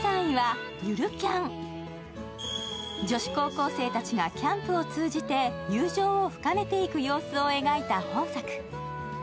女子高校生たちがキャンプを通じて友情を深めていく様子を描いた本作。